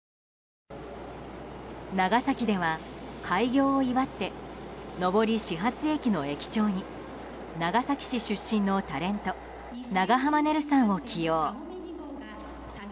長崎では開業を祝って登り始発駅の駅長に長崎市出身のタレント長濱ねるさんを起用。